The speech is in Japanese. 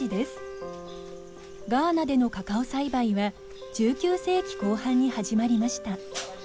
ガーナでのカカオ栽培は１９世紀後半に始まりました。